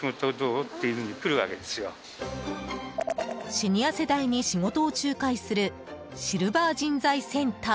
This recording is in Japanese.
シニア世代に仕事を仲介するシルバー人材センター。